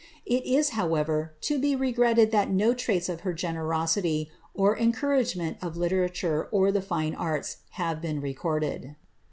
It is, however, to m regretted that no traits of her generosity, or encouragement of liteiatoif or the fine arts, have been recorded.